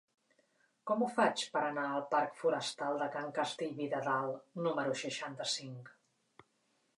Com ho faig per anar al parc Forestal de Can Castellví de Dalt número seixanta-cinc?